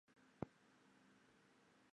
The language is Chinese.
齐王为他们修建豪宅。